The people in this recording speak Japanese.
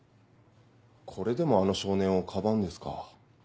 これでもあの少年をかばうんですか？